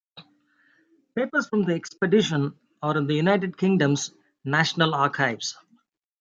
Papers from the expedition are in the United Kingdom's National Archives.